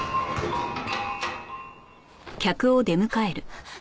あっ！